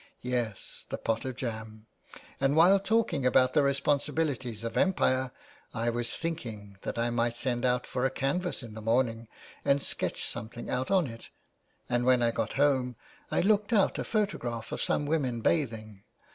" Yes, the pot of jam ; and while talking about the responsibilities of Empire, I was thinking that I might send out for a canvas in the morning and sketch something out on it ; and when I got home I looked out a photograph of some women bathing.